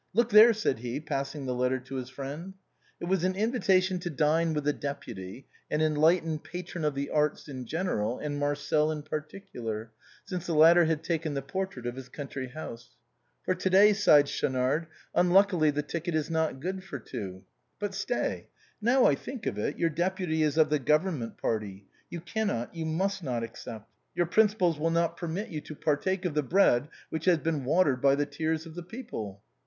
" Look there !" said he, passing the letter to his friend. It was an invitation to dine with a deputy, an enlightened patron of the arts in general and Marcel in particular, since the latter had taken the portrait of his country house. " For to day," sighed Schaunard. " Unluckily the ticket is not good for two. But stay ! Now I think of it, your deputy is of the government party; you cannot, you must not accept. Your principles will not permit you to partake of the bread which has been watered by the tears of the people."